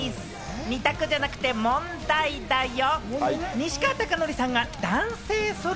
二択じゃなくて問題だよ！